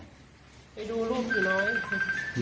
ไปดูรูปผีน้อย